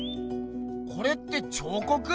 これって彫刻？